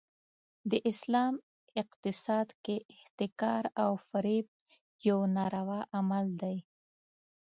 د اسلام اقتصاد کې احتکار او فریب یو ناروا عمل دی.